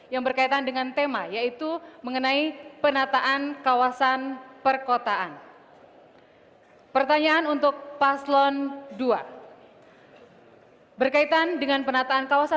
jabatan er networks